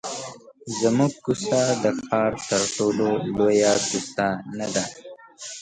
زموږ کوڅه د ښار تر ټولو لویه کوڅه نه ده.